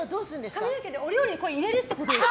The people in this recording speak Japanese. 髪の毛をお料理に入れるってことです。